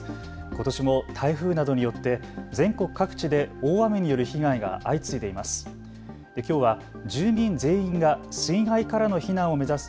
ことしも台風などによって全国各地で大雨による被害が相次いでいます。